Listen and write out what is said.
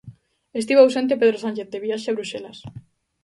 Estivo ausente Pedro Sánchez, de viaxe a Bruxelas.